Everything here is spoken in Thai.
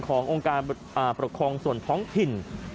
ขององค์การประคองส่วนท้องถิ่น